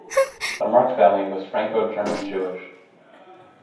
The Marx family was Franco-German Jewish.